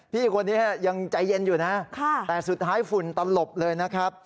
พี่คนนี้ยังใจเย็นอยู่นะแต่สุดท้ายฝุ่นตลบเลยนะครับ